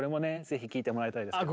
ぜひ聴いてもらいたいですね。